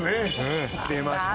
出ました。